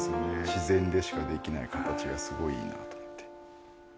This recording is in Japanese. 自然でしかできない形がすごいいいなと思って。